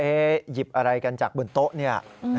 พระเผยหยิบอะไรกันจากบนโต๊ะนี่ค่ะ